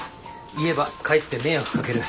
言えばかえって迷惑かける。